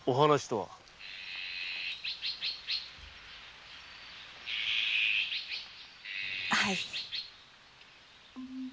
はい。